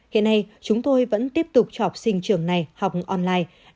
hiện nay chúng tôi vẫn tiếp tục cho học sinh trường này học online